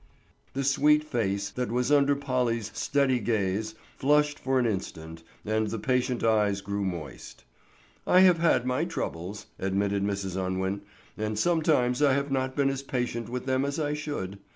The sweet face that was under Polly's steady gaze flushed for an instant and the patient eyes grew moist. "I have had my troubles," admitted Mrs. Unwin, "and sometimes I have not been as patient with them as I should.